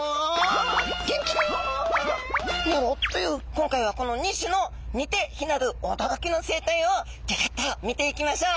今回はこの２種の似て非なるおどろきの生態をギョギョッと見ていきましょう！